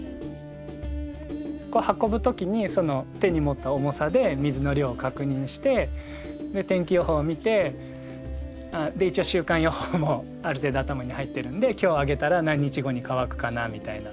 こう運ぶ時にその手に持った重さで水の量を確認してで天気予報を見て一応週間予報もある程度頭に入ってるんで今日あげたら何日後に乾くかなみたいな。